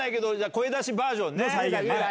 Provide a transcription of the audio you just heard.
声出しバージョンできる？